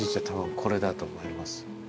たぶんこれだと思います。